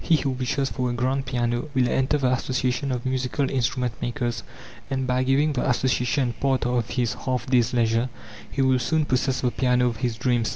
He who wishes for a grand piano will enter the association of musical instrument makers. And by giving the association part of his half days' leisure, he will soon possess the piano of his dreams.